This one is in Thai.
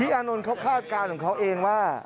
อานนท์เขาคาดการณ์ของเขาเองว่า